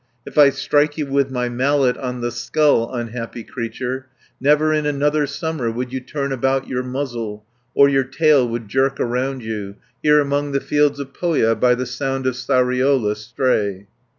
If I strike you with my mallet On the skull, unhappy creature, Never in another summer, 60 Would you turn about your muzzle, Or your tail would jerk around you, Here among the fields of Pohja, By the Sound of Sariola stray."